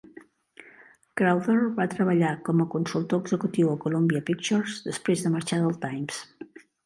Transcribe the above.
Crowther va treballar com a consultor executiu a Columbia Pictures després de marxar del "Times".